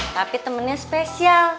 tapi temennya spesial